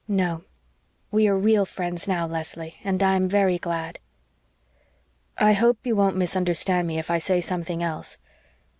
"No, we are real friends now, Leslie, and I am very glad." "I hope you won't misunderstand me if I say something else.